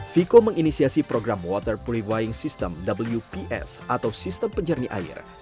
viko menginisiasi program water purifying system atau sistem pencerni air